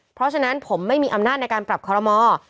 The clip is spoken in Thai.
เพราะฉะนั้นผมไม่มีอำนาจในการปรับคอรมอล